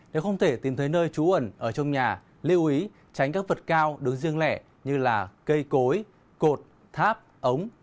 nếu không thể tìm thấy nơi trú ẩn ở trong nhà lưu ý tránh các vật cao đứng riêng lẻ như là cây cối cột tháp ống